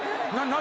何？